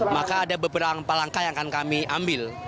maka ada beberapa langkah yang akan kami ambil